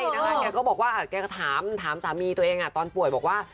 เมื่อกันแกก็บอกว่าแกเคยถามสามีตัวเองอะตอนป่วยบอกว่า